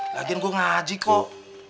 lagian gua ngaji kok